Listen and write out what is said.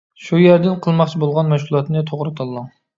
شۇ يەردىن قىلماقچى بولغان مەشغۇلاتنى توغرا تاللاڭ.